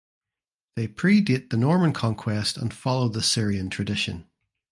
They predate the Norman conquest and follow the Syrian tradition.